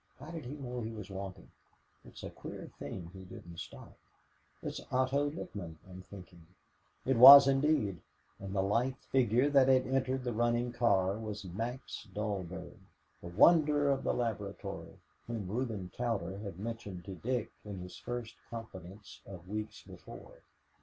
How did he know he was wanted? It's a queer thing he didn't stop. It's Otto Littman, I'm thinkin'." It was indeed, and the lithe figure that had entered the running car was Max Dalberg, the "wonder of the laboratory," whom Reuben Cowder had mentioned to Dick in his first confidence of weeks before.